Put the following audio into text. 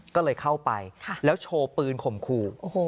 ก็เลยเข้าไปแล้วโชว์ปืนข่มขู่